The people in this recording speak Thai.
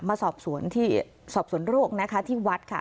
มาสอบสวนโรคนะคะที่วัดค่ะ